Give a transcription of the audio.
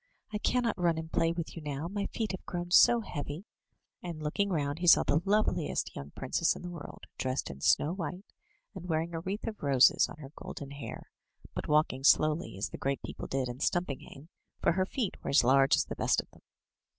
I cannot run and play with you now, my feet have grown so heavy;'* and looking round he saw the loveliest young princess in the world, dressed in snow white, and wearing a wreath of roses on her golden hair; but walking slowly, as the great people did in Stumpinghame, for her feet were as large as the best of them.